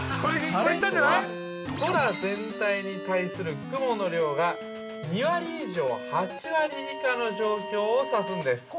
晴れとは、空全体に対する雲の量が２割以上８割以下の状況を指すんです。